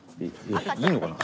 いいのかな？